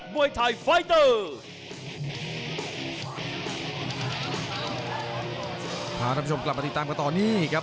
ท่านผู้ชมกลับมาติดตามกันต่อนี่ครับ